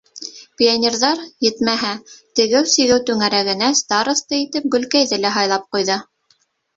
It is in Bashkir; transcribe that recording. Пионерҙар, етмәһә, тегеү-сигеү түңәрәгенә староста итеп Гөлкәйҙе лә һайлап ҡуйҙы.